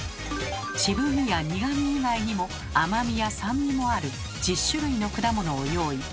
渋味や苦味以外にも甘みや酸味もある１０種類の果物を用意。